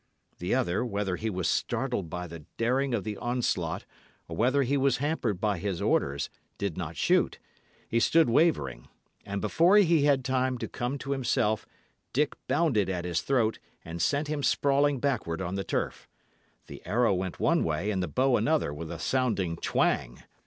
The other, whether he was startled by the daring of the onslaught, or whether he was hampered by his orders, did not shoot; he stood wavering; and before he had time to come to himself, Dick bounded at his throat, and sent him sprawling backward on the turf. The arrow went one way and the bow another with a sounding twang.